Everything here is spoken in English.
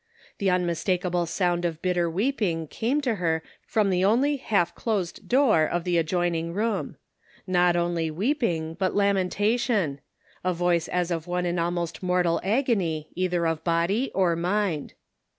The unmistakable sound of bitter weeping came to her from the only half closed door of the adjoining room ; not only weeping, but lamentation ; a voice as of one in almost 292 The Pocket Measure. mortal agony either of body or mind.